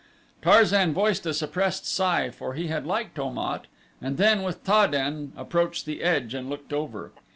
Tarzan voiced a suppressed sigh for he had liked Om at and then, with Ta den, approached the edge and looked over.